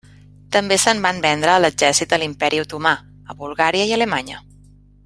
També se'n van vendre a l'exèrcit de l'Imperi Otomà, a Bulgària i a Alemanya.